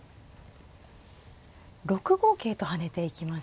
６五桂と跳ねていきました。